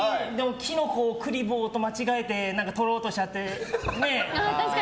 キノコをクリボーと間違えて取ろうとしちゃって。